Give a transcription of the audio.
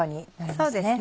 そうですね。